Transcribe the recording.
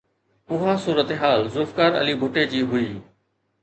اها صورتحال ذوالفقار علي ڀٽي جي هئي.